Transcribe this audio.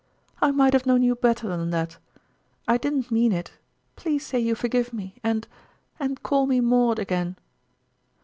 " I might have known you better than that. I didn't mean it. Please say you forgive me, and and call me Maud again